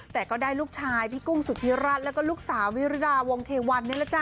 ใส่ก็ได้ลูกชายพี่กุ้งศุภิรัชแล้วก็ลูกสาวิราติวงเทวัน